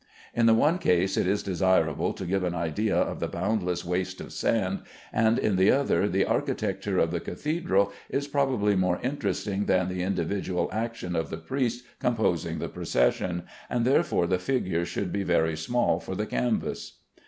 In the one case it is desirable to give an idea of the boundless waste of sand, and in the other the architecture of the cathedral is probably more interesting than the individual action of the priests composing the procession, and therefore the figures should be very small for the canvas.